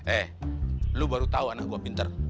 eh lo baru tahu anak gue pinter